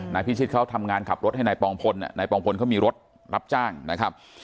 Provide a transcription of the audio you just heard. นายพิชิตเขาทำงานขับรถให้นายปองพลนายปองพลเขามีรถรับจ้างนะครับ